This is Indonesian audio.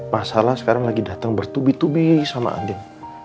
masalah sekarang lagi dateng bertubi tubi sama andin